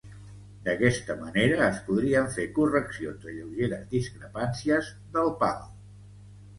D'aquesta manera es podrien fer correccions de lleugeres discrepàncies del pal.